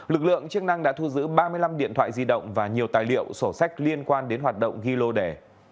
lực lượng chức năng đã thu giữ ba mươi năm điện thoại di động và nhiều tài liệu sổ sách liên quan đến hoạt động ghi lô đẻ